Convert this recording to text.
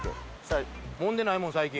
もんでないもん、最近。